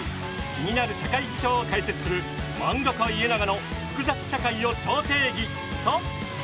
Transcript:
気になる社会事象を解説する「漫画家イエナガの複雑社会を超定義」と。